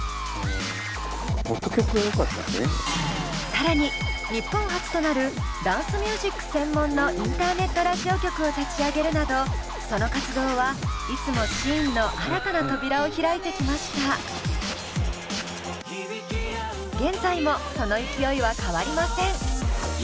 更に日本初となるダンスミュージック専門のインターネットラジオ局を立ち上げるなどその活動はいつも現在もその勢いは変わりません。